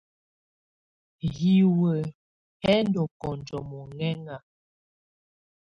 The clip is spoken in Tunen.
Hiwǝ́ hɛ́ ndɔ́ kɔnjɔ́ mɔŋɛŋa.